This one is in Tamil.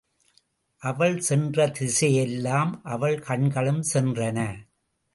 அவள் சென்ற திசையெல்லாம் அவள் கண்களும் சென்றன.